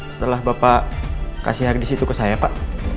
setelah bapak kasih harddisk itu ke saya pak